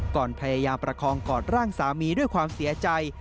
ก่อนพยายามประคองกอดร่างสามีด้วยความเสียใจ